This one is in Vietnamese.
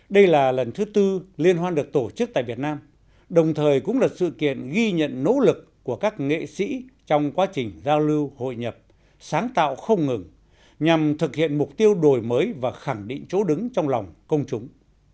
đây là lần thứ tư liên hoan được tổ chức tại việt nam đồng thời cũng là sự kiện ghi nhận nỗ lực của các nghệ sĩ trong quá trình giao lưu hội nhập sáng tạo không ngừng nhằm thực hiện mục tiêu đổi mới và khẳng định chỗ đứng trong lòng công chúng